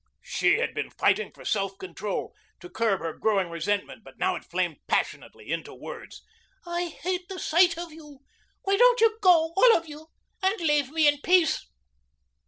She had been fighting for self control, to curb her growing resentment, but now it flamed passionately into words. "I hate the sight of you. Why don't you go all of you and leave me in peace?"